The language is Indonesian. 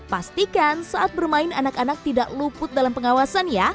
pastikan saat bermain anak anak tidak luput dalam pengawasan ya